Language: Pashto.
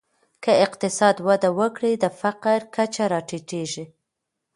که اقتصاد وده وکړي، د فقر کچه راټیټېږي.